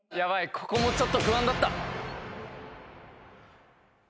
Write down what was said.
ここもちょっと不安だった。